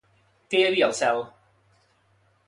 Què hi havia al cel?